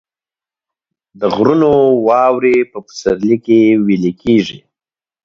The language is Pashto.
د غرونو واورې په پسرلي کې ویلې کیږي